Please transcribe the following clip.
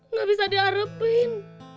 nggak bisa diarepin